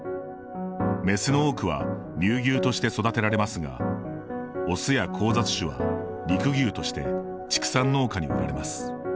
メスの多くは乳牛として育てられますがオスや交雑種は肉牛として畜産農家に売られます。